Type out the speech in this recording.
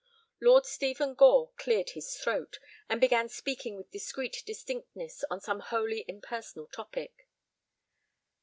Lord Stephen Gore cleared his throat, and began speaking with discreet distinctness on some wholly impersonal topic.